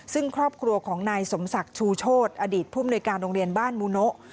ซึ่งครอบครัวของนายสมศักดิ์ชูโชธอดีตผู้มนุยการโรงเรียนบ้านมูโนะ